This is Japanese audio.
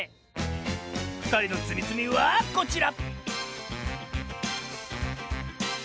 ふたりのつみつみはこちら！